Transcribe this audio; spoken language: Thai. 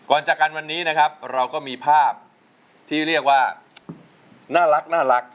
จากกันวันนี้นะครับเราก็มีภาพที่เรียกว่าน่ารัก